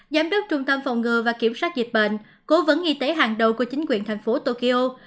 giám đốc trung tâm phòng ngừa và kiểm soát dịch bệnh cố vấn y tế hàng đầu của chính quyền thành phố tokyo